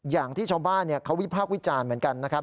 อย่างที่ชาวบ้านเขาวิพากษ์วิจารณ์เหมือนกันนะครับ